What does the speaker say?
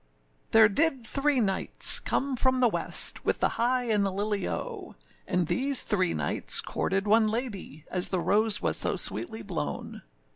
] THERE did three Knights come from the west, With the high and the lily oh! And these three Knights courted one ladye, As the rose was so sweetly blown.